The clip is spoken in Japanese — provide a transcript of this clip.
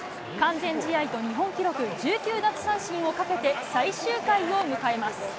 完全試合と日本記録、１９奪三振をかけて最終回を迎えます。